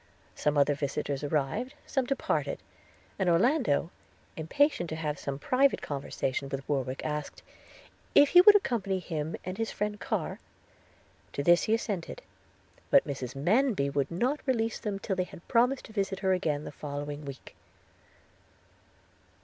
Some other visitors arrived, some departed; and Orlando, impatient to have some private conversation with Warwick, asked 'if he would accompany him and his friend Carr?' – To this he assented; but Mrs Manby would not release them till they had promised to visit her again the following week.